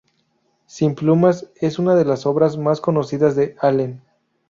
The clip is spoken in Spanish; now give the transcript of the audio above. Sin Plumas es una de las obras más conocidas de Allen.